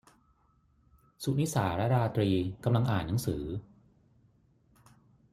สุนิสาและราตรีกำลังอ่านหนังสือ